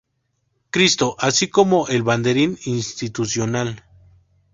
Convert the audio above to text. Cristo, así como el banderín institucional.